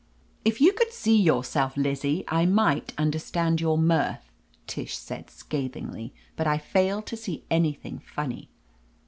"If you could see yourself, Lizzie, I might understand your mirth," Tish said scathingly. "But I fail to see anything funny."